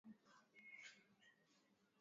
makamu wake wa Rais alikuwa anaitwa John Adams